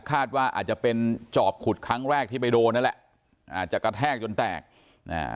คาดว่าอาจจะเป็นจอบขุดครั้งแรกที่ไปโดนนั่นแหละอ่าจะกระแทกจนแตกอ่า